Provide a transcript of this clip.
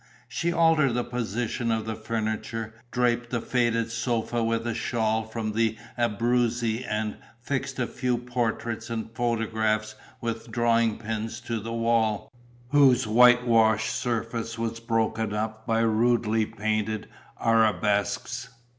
She altered the position of the furniture, draped the faded sofa with a shawl from the Abruzzi and fixed a few portraits and photographs with drawing pins to the wall, whose white washed surface was broken up by rudely painted arabesques.